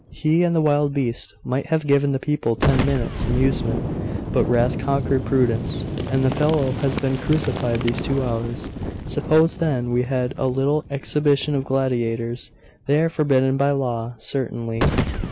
He and the wild beasts might have given the people ten minutes' amusement. But wrath conquered prudence; and the fellow has been crucified these two hours. Suppose, then, we had a little exhibition of gladiators. They are forbidden by law, certainly.